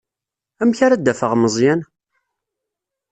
Amek ara d-afeɣ Meẓyan?